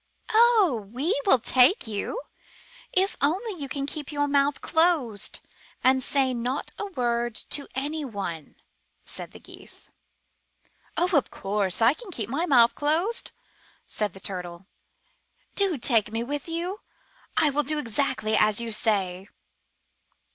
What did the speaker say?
*' *'0h, we will take you, if only you can keep your mouth closed, and say not a word to anyone," said the Geese. *'0f course I can keep my mouth closed," said the Turtle. *'iDo take me with you. I will do exactly as you say."